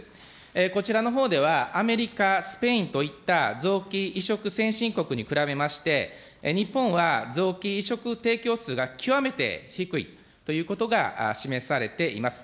こちらのほうでは、アメリカ、スペインといった臓器移植先進国に比べまして、日本は臓器移植提供数が極めて低いということが示されています。